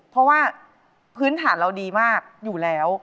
เพราะว่าพื้นฐานเราดีมากอยู่แล้ว